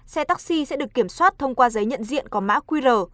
xe taxi sẽ được kiểm soát thông qua giấy nhận diện có mã qr